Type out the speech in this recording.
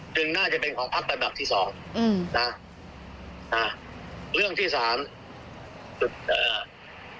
น่าจะเป็นของพักระดับที่สองอืมนะเรื่องที่สามจุดเอ่อ